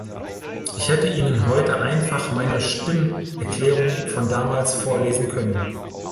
Ich hätte Ihnen heute einfach meine Stimmerklärung von damals vorlesen können.